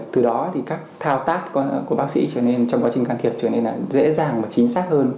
từ đó thì các thao tác của bác sĩ trong quá trình can thiệp trở nên dễ dàng và chính xác hơn